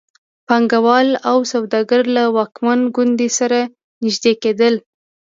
پانګوال او سوداګر له واکمن ګوند سره نږدې کېدل.